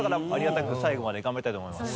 ありがたく最後まで頑張りたいと思います。